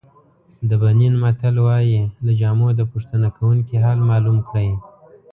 د بنین متل وایي له جامو د پوښتنه کوونکي حال معلوم کړئ.